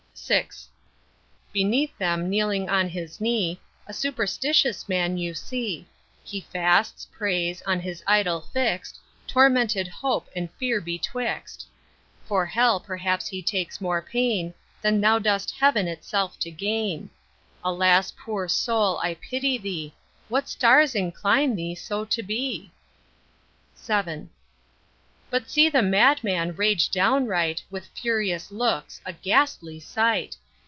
VI. Beneath them kneeling on his knee, A superstitious man you see: He fasts, prays, on his Idol fixt, Tormented hope and fear betwixt: For Hell perhaps he takes more pain, Than thou dost Heaven itself to gain. Alas poor soul, I pity thee, What stars incline thee so to be? VII. But see the madman rage downright With furious looks, a ghastly sight.